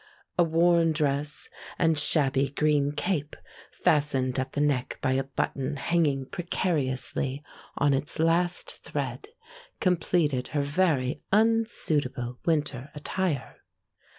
A worn dress and shabby green cape fastened at the neck by a button hanging precariously on its last thread completed her very unsuitable winter attire.